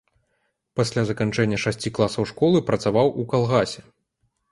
Пасля заканчэння шасці класаў школы працаваў у калгасе.